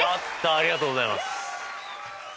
ありがとうございます。